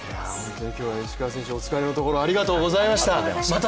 本当に石川選手、今日はお疲れのところ、ありがとうございました。